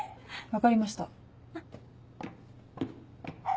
分かりました。